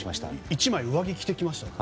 １枚上着、着てきました。